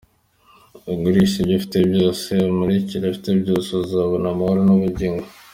Ugurishe ibyo ufite byose umukurikire afite byose uzabona amahoro n'ubugingo .